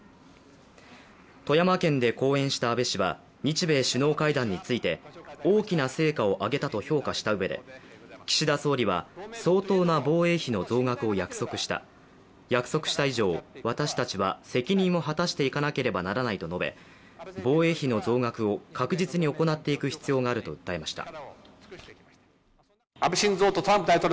富山県で講演した安倍氏は日米首脳会談について大きな成果を上げたと評価したうえで岸田総理は相当な防衛費の増額を約束した、約束した以上私たちは責任を果たしていかなければならないと述べ防衛費の増額を確実に行っていく必要があると訴えました。